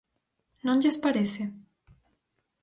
¿Non lles parece?